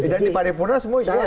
nah dipanipunlah semua ya